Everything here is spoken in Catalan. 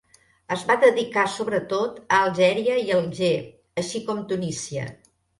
Es va dedicar sobretot a Algèria i Alger així com Tunísia.